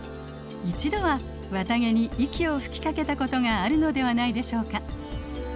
一度は綿毛に息を吹きかけたことがあるのではないでしょうか。